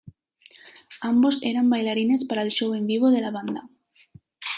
Ambos eran bailarines para el show en vivo de la banda.